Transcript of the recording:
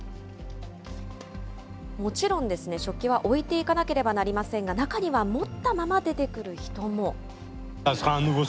もちろん、食器は置いていかなければなりませんが、中には持ったまま出てくる人も。